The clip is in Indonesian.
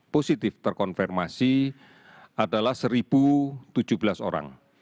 positif terkonfirmasi adalah satu tujuh belas orang